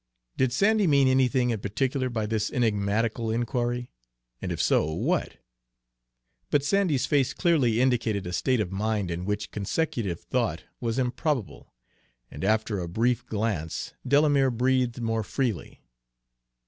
Did Sandy mean anything in particular by this enigmatical inquiry, and if so, what? But Sandy's face clearly indicated a state of mind in which consecutive thought was improbable; and after a brief glance Delamere breathed more freely.